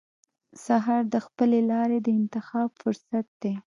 سهار د خپلې لارې د انتخاب فرصت دی.